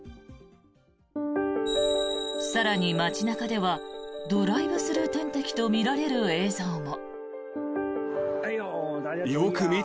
更に、街中ではドライブスルー点滴とみられる映像も。